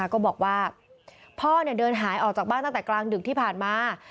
ก็บอกว่าพ่อเดินหายออกจากบ้านตั้งแต่กลางดึกที่ผ่านมา